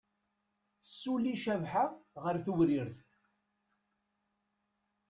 Tessuli Cabḥa ɣer Tewrirt.